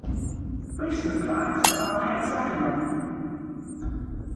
Recent plaques are hexagonal.